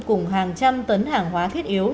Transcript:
cùng hàng trăm tấn hàng hóa thiết yếu